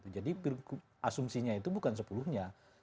jadi asumsinya itu bukan sepuluh nya